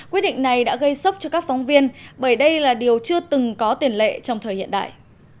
quyết định này đã gây sốc cho các phóng viên bởi đây là điều chưa từng có tiền lệ trong thời hiện đại